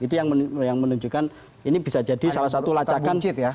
itu yang menunjukkan ini bisa jadi salah satu lacakan